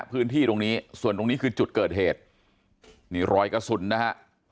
พื้นที่ตรงนี้ส่วนตรงนี้คือจุดเกิดเหตุนี่รอยกระสุนนะฮะ